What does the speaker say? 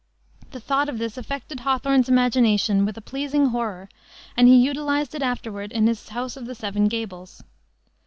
The thought of this affected Hawthorne's imagination with a pleasing horror and he utilized it afterward in his House of the Seven Gables.